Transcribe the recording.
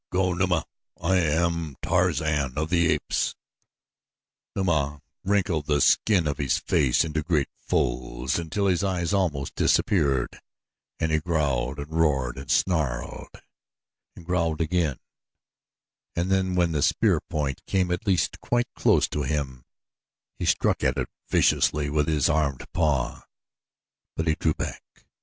Go, Numa! I am Tarzan of the Apes!" Numa wrinkled the skin of his face into great folds, until his eyes almost disappeared and he growled and roared and snarled and growled again, and when the spear point came at last quite close to him he struck at it viciously with his armed paw; but he drew back.